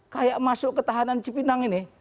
kayak masuk ke tahanan cipinang ini